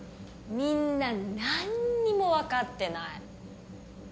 みんななんにも分かってない。